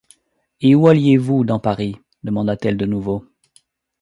Et où alliez-vous, dans Paris? demanda-t-elle de nouveau.